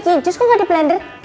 kenapa tuh nggak dipelender